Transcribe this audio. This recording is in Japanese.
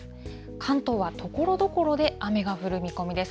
関東はところどころで雨が降る見込みです。